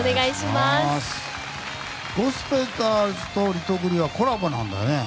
ゴスペラーズとリトグリはコラボなんだね。